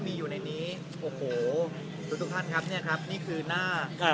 มีอยู่ในนี้โอ้โหทุกท่านครับเนี่ยครับนี่คือหน้า